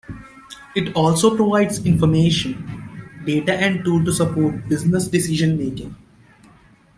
It also provides information, data and tools to support business decision making.